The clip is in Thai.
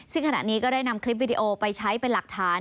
ซึ่งขณะนี้ก็ได้นำคลิปวิดีโอไปใช้เป็นหลักฐาน